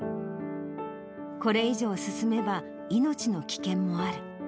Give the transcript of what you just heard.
これ以上進めば、命の危険もある。